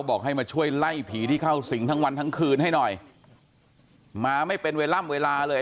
บอกให้มาช่วยไล่ผีที่เข้าสิงทั้งวันทั้งคืนให้หน่อยมาไม่เป็นเวลาล่ำเวลาเลย